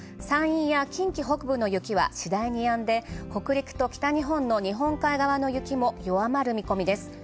山陰や近畿北部の雪はしだいにやんで、北陸と北日本の日本海側の雪も弱まる見込みです。